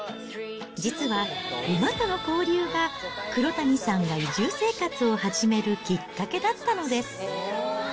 実は、馬との交流が、黒谷さんが移住生活を始めるきっかけだったのです。